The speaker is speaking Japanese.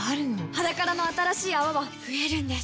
「ｈａｄａｋａｒａ」の新しい泡は増えるんです